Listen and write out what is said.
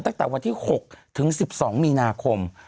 ตั้งแต่วันที่๖ถึง๑๒มีนาคม